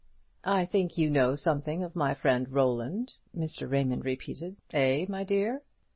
"I think you know something of my friend Roland," Mr. Raymond repeated; "eh, my dear?"